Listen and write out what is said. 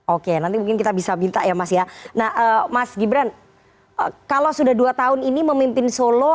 oke nanti mungkin kita bisa minta ya mas ya nah mas gibran kalau sudah dua tahun ini memimpin solo